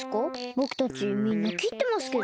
ぼくたちみんなきってますけど。